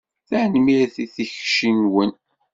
Tanemmirt i tikci-nwen.